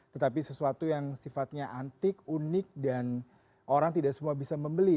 tetapi sesuatu yang sifatnya antik unik dan orang tidak semua bisa membeli